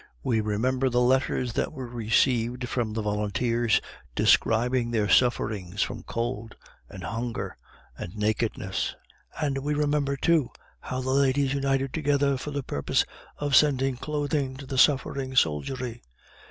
We remember the letters that were received from the volunteers describing their sufferings from cold and hunger and nakedness, and we remember, too, how the ladies united together for the purpose of sending clothing to the suffering soldiery.